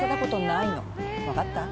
分かった？